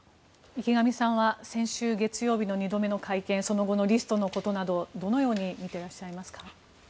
池上さんは先週月曜日の２度目の会見その後のリストのことなどをどのように見てらっしゃいますか。